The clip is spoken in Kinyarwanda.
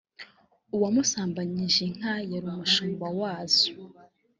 uwasambanyije inka yari umushumb wazo